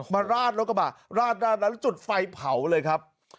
มาราดแล้วก็มาราดราดแล้วจุดไฟเผาเลยครับ